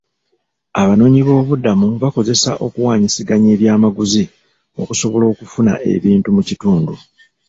Abanoonyiboobubudamu bakozesa okuwaanyisiganya ebyamaguzi okusobola okufuna ebintu mu kitundu.